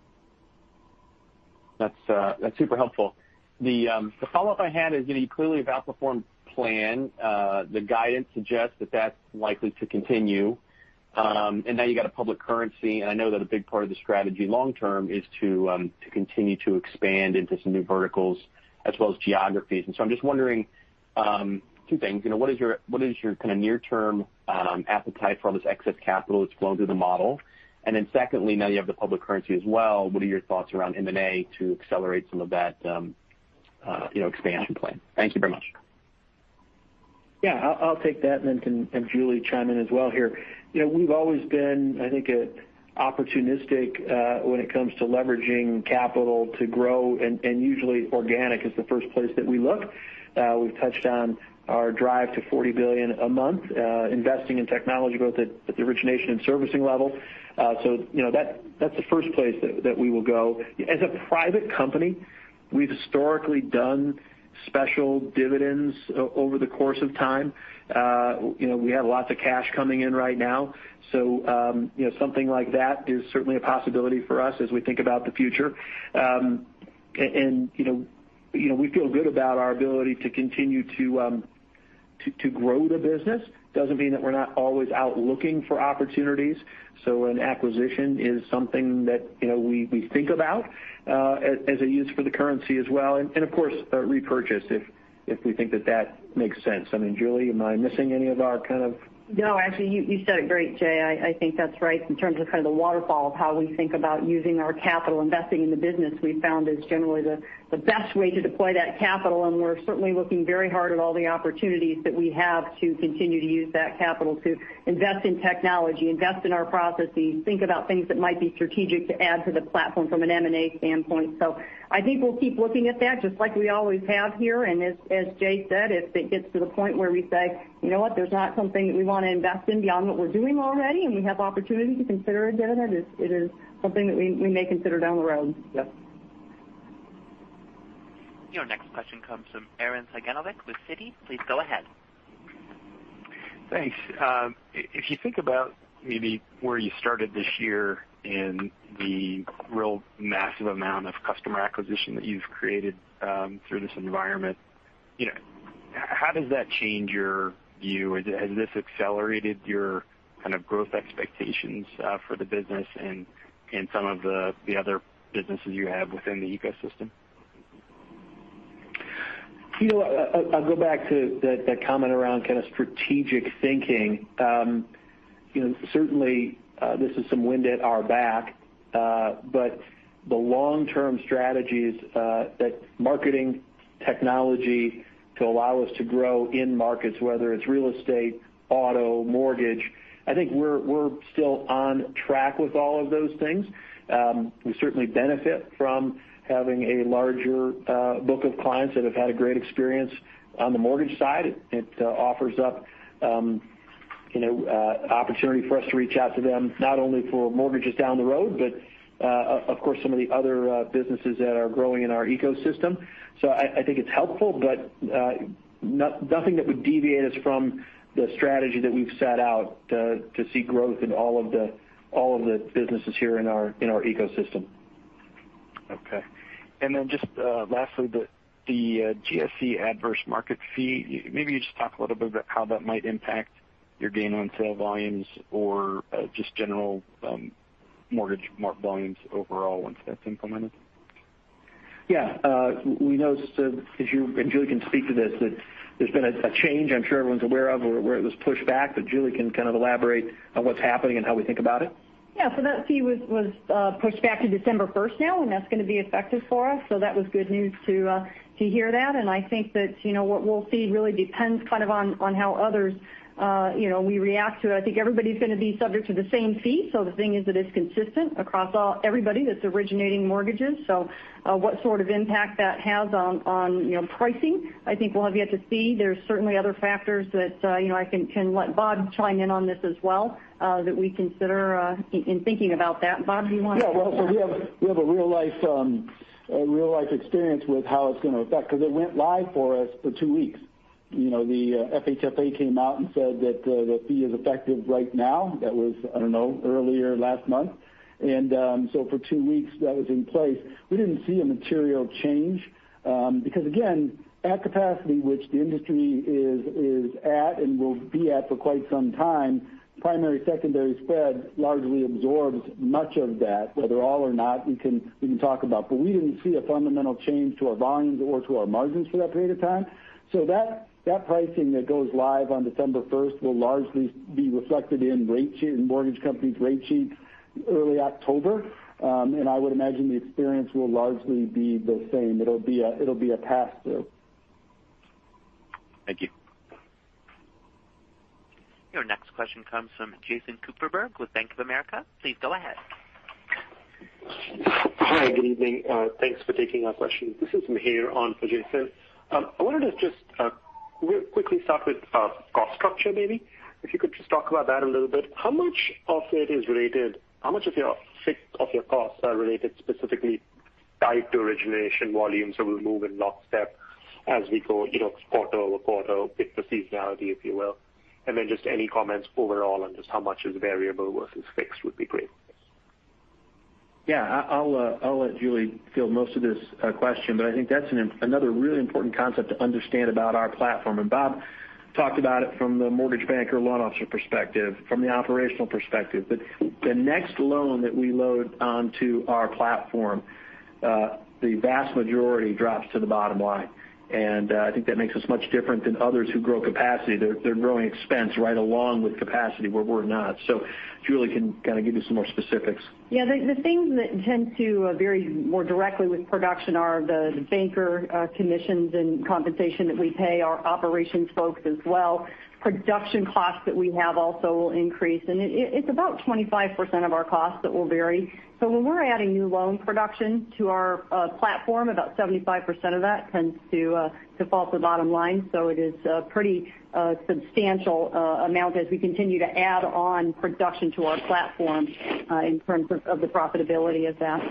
That's super helpful. The follow-up I had is that you clearly have outperformed plan. The guidance suggests that that's likely to continue. Now you've got a public currency, I know that a big part of the strategy long term is to continue to expand into some new verticals as well as geographies. I'm just wondering two things. What is your kind of near-term appetite for all this excess capital that's flowing through the model? Secondly, now that you have the public currency as well, what are your thoughts around M&A to accelerate some of that expansion plan? Thank you very much. Yeah. I'll take that, and then can have Julie chime in as well here. We've always been, I think, opportunistic when it comes to leveraging capital to grow. Usually organic is the first place that we look. We've touched on our drive to $40 billion a month, investing in technology both at the origination and servicing level. That's the first place that we will go. As a private company, we've historically done special dividends over the course of time. We have lots of cash coming in right now. Something like that is certainly a possibility for us as we think about the future. We feel good about our ability to continue to grow the business. Doesn't mean that we're not always out looking for opportunities. An acquisition is something that we think about as a use for the currency as well. Of course, repurchase if we think that that makes sense. Julie, am I missing any of our? No, actually, you said it great, Jay. I think that's right in terms of kind of the waterfall of how we think about using our capital. Investing in the business we've found is generally the best way to deploy that capital. We're certainly looking very hard at all the opportunities that we have to continue to use that capital to invest in technology, invest in our processes, think about things that might be strategic to add to the platform from an M&A standpoint. I think we'll keep looking at that just like we always have here. As Jay said, if it gets to the point where we say, you know what, there's not something that we want to invest in beyond what we're doing already, and we have opportunity to consider a dividend, it is something that we may consider down the road. Yes. Your next question comes from Arren Cyganovich with Citi. Please go ahead. Thanks. If you think about maybe where you started this year and the real massive amount of customer acquisition that you've created through this environment, how does that change your view? Has this accelerated your kind of growth expectations for the business and some of the other businesses you have within the ecosystem? I'll go back to that comment around kind of strategic thinking. Certainly, this is some wind at our back. The long-term strategies that marketing technology to allow us to grow in markets, whether it's real estate, auto, mortgage, I think we're still on track with all of those things. We certainly benefit from having a larger book of clients that have had a great experience on the mortgage side. It offers up opportunity for us to reach out to them, not only for mortgages down the road, but of course, some of the other businesses that are growing in our ecosystem. I think it's helpful, but nothing that would deviate us from the strategy that we've set out to see growth in all of the businesses here in our ecosystem. Okay. Just lastly, the GSE adverse market fee. Maybe you just talk a little bit about how that might impact your gain on sale volumes or just general mortgage volumes overall once that's implemented. Yeah. We noticed, and Julie can speak to this, that there's been a change I'm sure everyone's aware of where it was pushed back, but Julie can kind of elaborate on what's happening and how we think about it. Yeah. That fee was pushed back to December 1st now, and that's going to be effective for us. That was good news to hear that. I think that what we'll see really depends kind of on how others we react to it. I think everybody's going to be subject to the same fee. The thing is that it's consistent across everybody that's originating mortgages. What sort of impact that has on pricing, I think we'll have yet to see. There's certainly other factors that I can let Bob chime in on this as well, that we consider in thinking about that. Bob, do you want to- Yeah. Well, we have a real-life experience with how it's going to affect because it went live for us for two weeks. The FHFA came out and said that the fee is effective right now. That was, I don't know, earlier last month. For two weeks that was in place. We didn't see a material change. Again, at capacity, which the industry is at and will be at for quite some time, primary, secondary spread largely absorbs much of that. Whether all or not, we can talk about, but we didn't see a fundamental change to our volumes or to our margins for that period of time. That pricing that goes live on December 1st will largely be reflected in mortgage companies' rate sheets early October. I would imagine the experience will largely be the same. It'll be a pass-through. Thank you. Your next question comes from Jason Kupferberg with Bank of America. Please go ahead. Hi, good evening. Thanks for taking our question. This is Mihir on for Jason. I wanted to just real quickly start with cost structure, maybe. If you could just talk about that a little bit. How much of it is related, how much of your costs are related specifically tied to origination volumes that will move in lockstep as we go quarter-over-quarter with the seasonality, if you will? Then just any comments overall on just how much is variable versus fixed would be great. Yeah. I'll let Julie field most of this question, but I think that's another really important concept to understand about our platform. Bob talked about it from the mortgage banker loan officer perspective, from the operational perspective. The next loan that we load onto our platform, the vast majority drops to the bottom line. I think that makes us much different than others who grow capacity. They're growing expense right along with capacity where we're not. Julie can kind of give you some more specifics. Yeah. The things that tend to vary more directly with production are the banker commissions and compensation that we pay our operations folks as well. Production costs that we have also will increase. It's about 25% of our costs that will vary. When we're adding new loan production to our platform, about 75% of that tends to fall to bottom line. It is a pretty substantial amount as we continue to add on production to our platform, in terms of the profitability of that.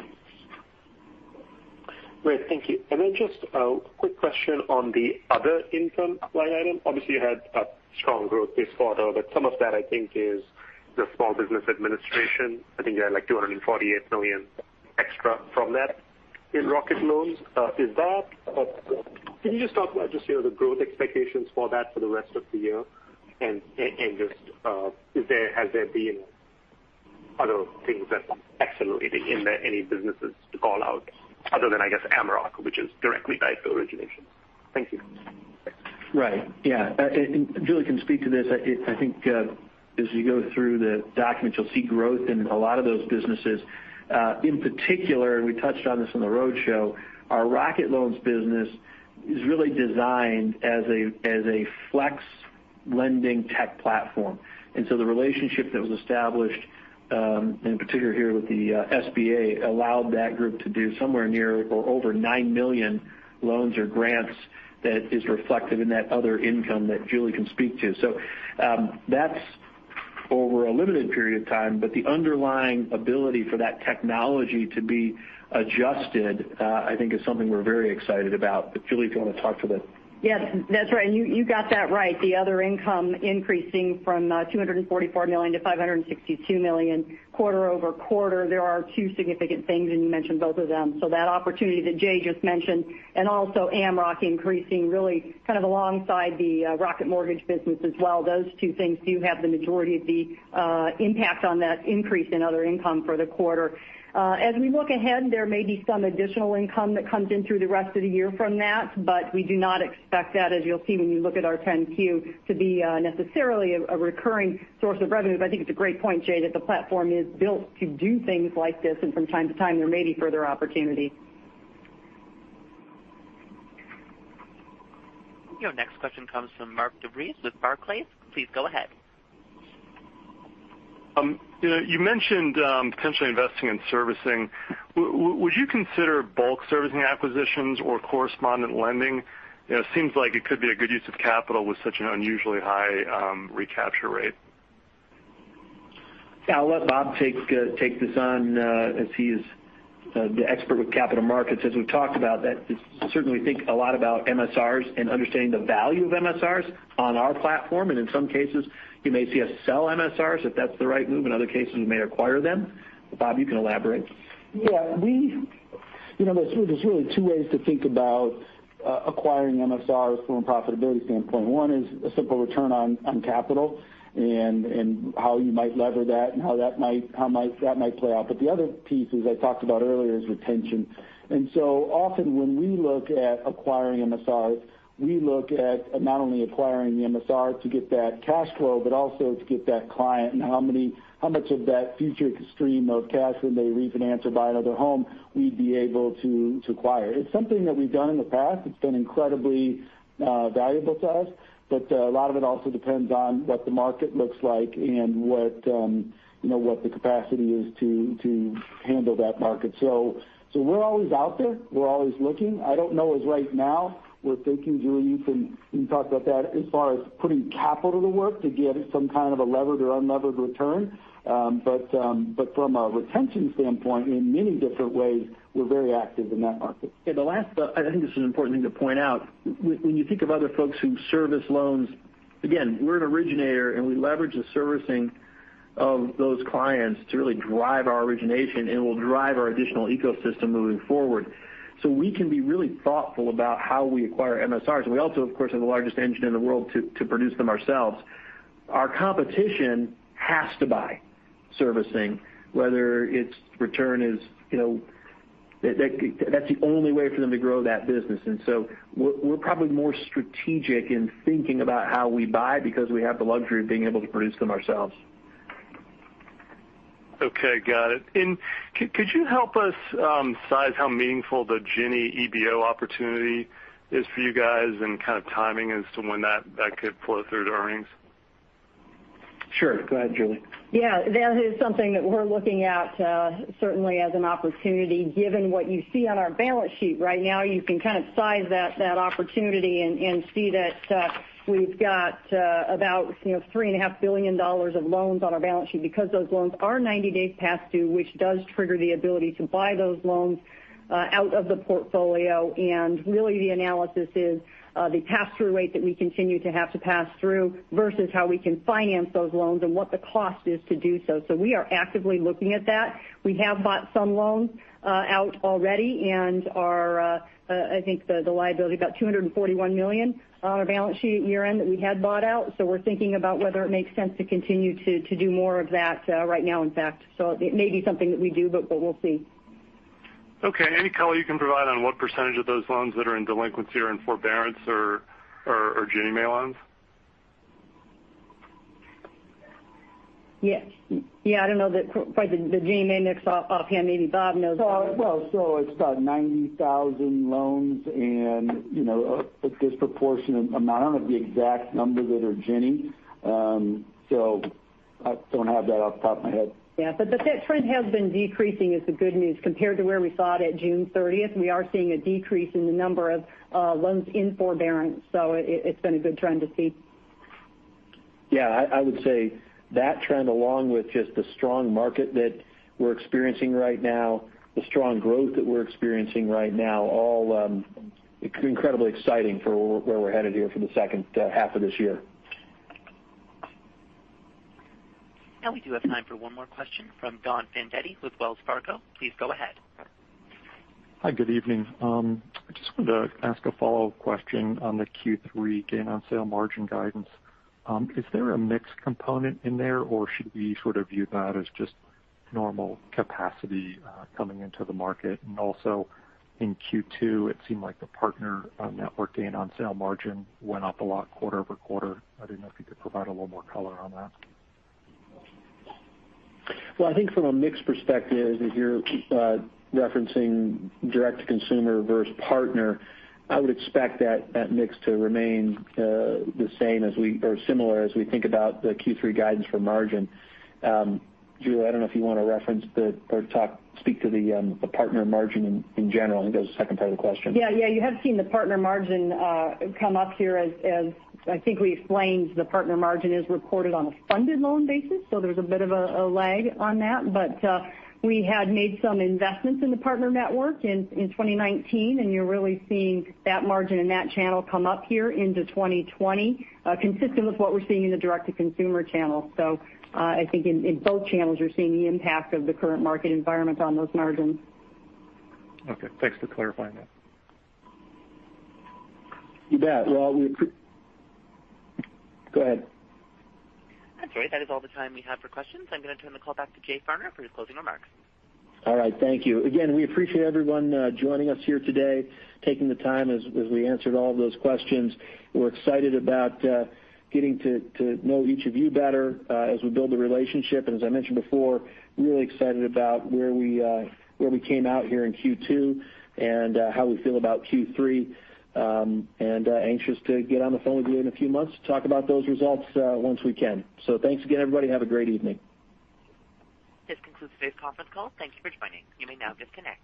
Great. Thank you. Just a quick question on the other income line item. Obviously, you had strong growth this quarter, but some of that I think is the Small Business Administration. I think you had like $248 million extra from that in Rocket Loans. Can you just talk about just the growth expectations for that for the rest of the year? Just, has there been other things that are accelerating in any businesses to call out other than, I guess, Amrock, which is directly tied to origination? Thank you. Right. Yeah. Julie can speak to this. I think as you go through the documents, you'll see growth in a lot of those businesses. In particular, we touched on this on the roadshow, our Rocket Loans business is really designed as a flex lending tech platform. The relationship that was established, in particular here with the SBA, allowed that group to do somewhere near or over 9 million loans or grants that is reflective in that other income that Julie can speak to. That's over a limited period of time, but the underlying ability for that technology to be adjusted, I think is something we're very excited about. Julie, if you want to talk to the- Yes, that's right. You got that right. The other income increasing from $244 million-$562 million quarter-over-quarter. There are two significant things, and you mentioned both of them. That opportunity that Jay just mentioned, and also Amrock increasing really kind of alongside the Rocket Mortgage business as well. Those two things do have the majority of the impact on that increase in other income for the quarter. As we look ahead, there may be some additional income that comes in through the rest of the year from that, but we do not expect that, as you'll see when you look at our 10-Q, to be necessarily a recurring source of revenue. I think it's a great point, Jay, that the platform is built to do things like this, and from time to time, there may be further opportunity. Your next question comes from Mark DeVries with Barclays. Please go ahead. You mentioned potentially investing in servicing. Would you consider bulk servicing acquisitions or correspondent lending? It seems like it could be a good use of capital with such an unusually high recapture rate. Yeah. I'll let Bob take this on as he's the expert with capital markets. As we've talked about that, certainly we think a lot about MSRs and understanding the value of MSRs on our platform. In some cases, you may see us sell MSRs if that's the right move. In other cases, we may acquire them. Bob, you can elaborate. Yeah. There's really two ways to think about acquiring MSRs from a profitability standpoint. One is a simple return on capital and how you might lever that and how that might play out. The other piece, as I talked about earlier, is retention. Often when we look at acquiring MSRs, we look at not only acquiring the MSR to get that cash flow, but also to get that client and how much of that future stream of cash when they refinance or buy another home we'd be able to acquire. It's something that we've done in the past. It's been incredibly valuable to us, but a lot of it also depends on what the market looks like and what the capacity is to handle that market. We're always out there. We're always looking. I don't know as right now we're thinking, Julie, you can talk about that as far as putting capital to work to get some kind of a levered or unlevered return. From a retention standpoint, in many different ways, we're very active in that market. The last, I think this is an important thing to point out. When you think of other folks who service loans. Again, we're an originator, and we leverage the servicing of those clients to really drive our origination, and will drive our additional ecosystem moving forward. We can be really thoughtful about how we acquire MSRs. We also, of course, have the largest engine in the world to produce them ourselves. Our competition has to buy servicing. That's the only way for them to grow that business. We're probably more strategic in thinking about how we buy because we have the luxury of being able to produce them ourselves. Okay, got it. Could you help us size how meaningful the GNMA EBO opportunity is for you guys and kind of timing as to when that could flow through to earnings? Sure. Go ahead, Julie. Yeah. That is something that we're looking at, certainly as an opportunity, given what you see on our balance sheet right now. You can kind of size that opportunity and see that we've got about $3.5 billion of loans on our balance sheet because those loans are 90 days past due, which does trigger the ability to buy those loans out of the portfolio. Really the analysis is the pass-through rate that we continue to have to pass through versus how we can finance those loans and what the cost is to do so. We are actively looking at that. We have bought some loans out already and I think the liability about $241 million on our balance sheet at year-end that we had bought out. We're thinking about whether it makes sense to continue to do more of that right now, in fact. It may be something that we do, but we'll see. Okay. Any color you can provide on what % of those loans that are in delinquency or in forbearance are GNMA loans? Yes. I don't know probably theGNMA mix offhand. Maybe Bob knows that. Well, it's about 90,000 loans and a disproportionate amount of the exact number that are GNMA. I don't have that off the top of my head. That trend has been decreasing is the good news. Compared to where we saw it at June 30th, we are seeing a decrease in the number of loans in forbearance. It's been a good trend to see. Yeah, I would say that trend, along with just the strong market that we're experiencing right now, the strong growth that we're experiencing right now, all incredibly exciting for where we're headed here for the second half of this year. Now we do have time for one more question from Don Fandetti with Wells Fargo. Please go ahead. Hi, good evening. I just wanted to ask a follow-up question on the Q3 gain on sale margin guidance. Is there a mix component in there or should we sort of view that as just normal capacity coming into the market? Also in Q2, it seemed like the partner network gain on sale margin went up a lot quarter-over-quarter. I didn't know if you could provide a little more color on that. Well, I think from a mix perspective, if you're referencing direct-to-consumer versus partner, I would expect that mix to remain the same or similar as we think about the Q3 guidance for margin. Julie, I don't know if you want to reference or speak to the partner margin in general. I think that was the second part of the question. Yeah. You have seen the partner margin come up here as I think we explained the partner margin is reported on a funded loan basis. There was a bit of a lag on that. We had made some investments in the partner network in 2019, and you're really seeing that margin and that channel come up here into 2020, consistent with what we're seeing in the direct-to-consumer channel. I think in both channels, you're seeing the impact of the current market environment on those margins. Okay. Thanks for clarifying that. You bet. Well, Go ahead. I'm sorry, that is all the time we have for questions. I'm going to turn the call back to Jay Farner for his closing remarks. All right. Thank you. Again, we appreciate everyone joining us here today, taking the time as we answered all of those questions. We're excited about getting to know each of you better as we build the relationship. As I mentioned before, really excited about where we came out here in Q2 and how we feel about Q3. Anxious to get on the phone with you in a few months to talk about those results once we can. Thanks again, everybody. Have a great evening. This concludes today's conference call. Thank Thank you for joining. You may now disconnect.